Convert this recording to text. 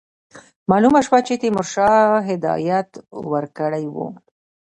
معلومه شوه چې تیمورشاه هدایت ورکړی وو.